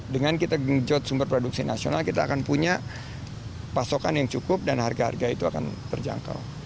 dengan kita genjot sumber produksi nasional kita akan punya pasokan yang cukup dan harga harga itu akan terjangkau